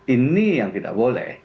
ini yang tidak boleh